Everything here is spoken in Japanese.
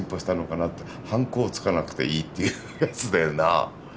ハンコをつかなくていいっていうやつだよな。